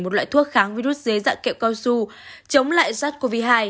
một loại thuốc kháng virus dưới dạng kẹo cao su chống lại sars cov hai